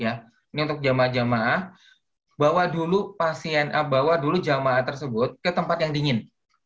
ini untuk jemaah jemaah bawa dulu jemaah tersebut ke tempat yang dingin